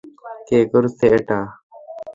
কে করছে এটা?